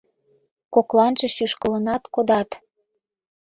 Кокланже шӱшкылынат кодат.